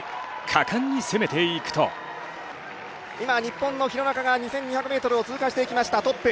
果敢に攻めていくと今、日本の廣中が２０００ｍを通過していきました、トップ。